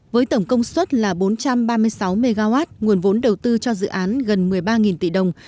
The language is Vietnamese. với tổng công suất là bốn trăm ba mươi sáu mw nguồn vốn đầu tư cho dự án gần một mươi ba tỷ đồng